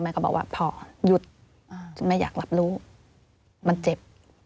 ก็บอกว่าพ่อหยุดแม่อยากรับรู้มันเจ็บ